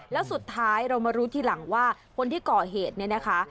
แล้วสุดท้ายเรามารู้ทีหลังว่าคนที่ก่อเหตุเนี่ยนะคะ